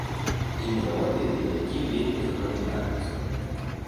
І мелодыі, які вельмі запамінаюцца.